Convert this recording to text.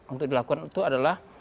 untuk dilakukan itu adalah